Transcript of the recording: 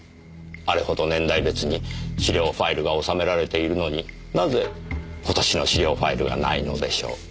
あれほど年代別に資料ファイルが収められているのになぜ今年の資料ファイルがないのでしょう。